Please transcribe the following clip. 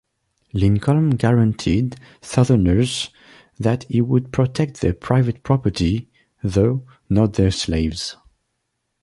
Lincoln guaranteed southerners that he would protect their private property, though not their slaves.